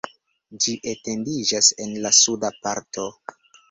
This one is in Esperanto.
Ĝi etendiĝas en la suda parto.